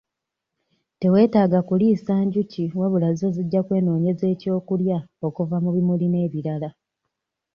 Teweetaaga kuliisa njuki wabula zo zijja kwenoonyeza ekyokulya okuva mu bimuli n'ebirala.